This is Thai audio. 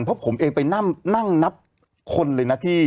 เพราะผมเองไปนั่งนับคนเลยนะที่